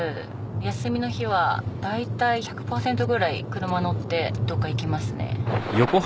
休みの日はだいたい１００％ぐらい車乗ってどっか行きますね。